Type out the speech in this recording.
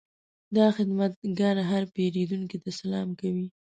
دا خدمتګر هر پیرودونکي ته سلام کوي.